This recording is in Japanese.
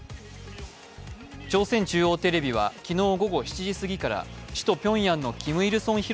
朝鮮中央テレビは昨日午後７時すぎから首都ピョンヤンの金日